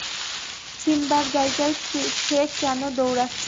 সিম্বার যায়গায় সে কেন দৌড়াচ্ছে?